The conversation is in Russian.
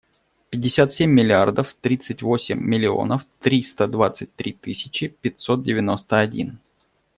Пятьдесят семь миллиардов тридцать восемь миллионов триста двадцать три тысячи пятьсот девяносто один.